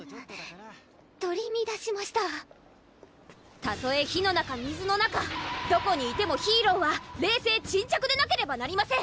取りみだしましたたとえ火の中水の中どこにいてもヒーローは冷静沈着でなければなりません！